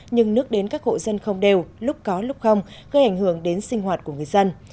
nhưng nước đến các hộ dân không đều lúc có lúc không gây ảnh hưởng đến sinh hoạt của người dân